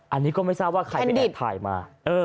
อันนี้ก็ไม่ทราบว่าใครไปแอบถ่ายมา